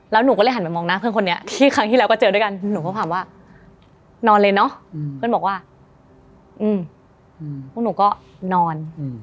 แล้วหนูก็เลยหันไปมองหน้าเพื่อนคนนี้ที่ครั้งที่แล้วก็เจอด้วยกันหนูก็ถามว่านอนเลยเนอะเพื่อนบอกว่าพวกหนูก็นอน